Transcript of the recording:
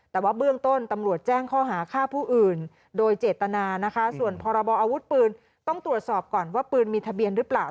แต่ว่าเบื้องต้นตำรวจแจ้งข้อหาฆ่าผู้อื่นโดยเจตนานะคะส่วนพรบออาวุธปืนต้องตรวจสอบก่อนว่าปืนมีทะเบียนหรือเปล่า